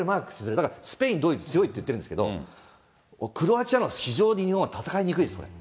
だから、スペイン、ドイツ、強いって言ってるんですけど、クロアチアのほうが非常に日本は戦いにくいです。